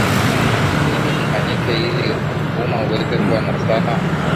nini kifanyike ili umma uweze kuwa na staha